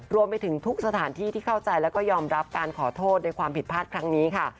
รวมไปถึงทุกสถานที่ที่เข้าใจแล้วก็ยอมรับการขอโทษในความผิดพลาดครั้งนี้ค่ะ